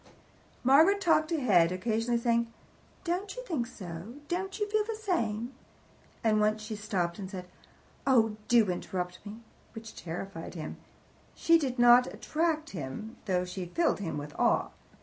Margaret talked ahead, occasionally saying, "Don't you think so? don't you feel the same?" And once she stopped, and said "Oh, do interrupt me!" which terrified him. She did not attract him, though she filled him with awe.